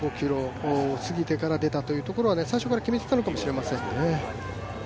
１５ｋｍ過ぎてから出たというのは最初から決めていたのかもしれませんね。